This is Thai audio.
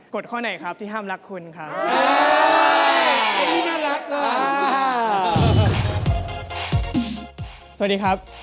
กฎข้อไหนครับที่ห้ามรักคุณครับ